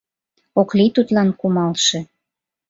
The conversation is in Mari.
Ок лий тудлан кумалше